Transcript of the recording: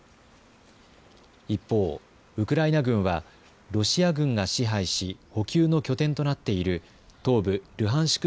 一方、ウクライナ軍は、ロシア軍が支配し、補給の拠点となっている東部ルハンシク